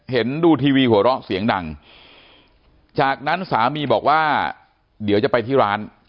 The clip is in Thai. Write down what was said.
ดูทีวีหัวเราะเสียงดังจากนั้นสามีบอกว่าเดี๋ยวจะไปที่ร้าน